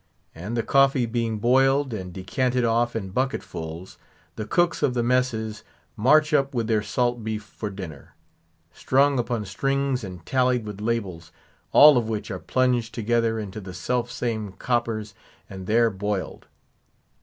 And the coffee being boiled, and decanted off in bucketfuls, the cooks of the messes march up with their salt beef for dinner, strung upon strings and tallied with labels; all of which are plunged together into the self same coppers, and there boiled.